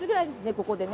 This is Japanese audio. ここで。